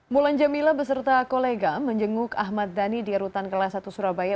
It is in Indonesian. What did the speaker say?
mulan jamila beserta kolega menjenguk ahmad dhani di rutan kelas satu surabaya